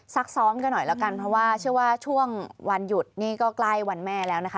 ซักซ้อมกันหน่อยแล้วกันเพราะว่าเชื่อว่าช่วงวันหยุดนี่ก็ใกล้วันแม่แล้วนะคะ